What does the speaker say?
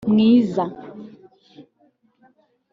mwiza (bis